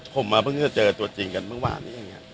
ผมมาเมื่อเมื่อเจอตัวจริงกันเมื่อวาน